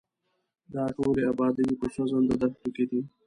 دا ټولې ابادۍ په سوځنده دښتو کې دي.